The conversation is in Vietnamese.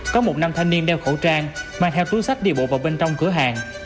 có một nam thanh niên đeo khẩu trang mang theo túi sách đi bộ vào bên trong cửa hàng